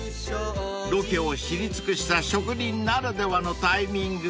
［ロケを知り尽くした職人ならではのタイミング